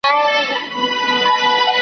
سیندونه د ژوند سرچینه ده.